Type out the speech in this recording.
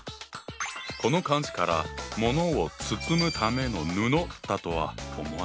この漢字から物を包むための布だとは思わないよな。